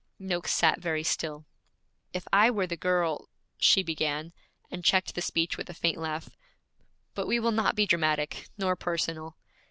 Noakes sat very still. 'If I were the girl, ' she began, and checked the speech with a faint laugh. 'But we will not be dramatic, nor personal.'